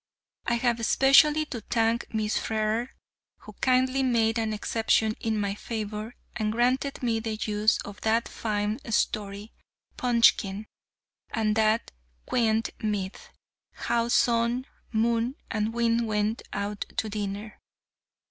I have especially to thank Miss Frere, who kindly made an exception in my favour, and granted me the use of that fine story, "Punchkin," and that quaint myth, "How Sun, Moon, and Wind went out to Dinner."